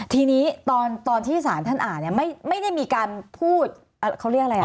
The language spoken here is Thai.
ทีนี้ตอนที่สารท่านอ่านเนี่ยไม่ได้มีการพูดเขาเรียกอะไรอ่ะ